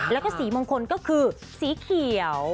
แล้วก็สีมงคลก็คือสีเขียว